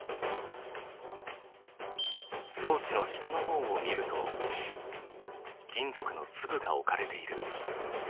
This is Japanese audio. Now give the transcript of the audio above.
装置の下のほうを見ると金属の粒が置かれている。